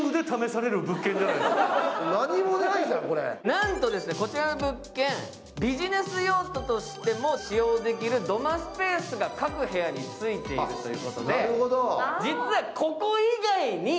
なんと、こちらの物件、ビジネス用途としても使用できる土間スペースが各部屋についているということで。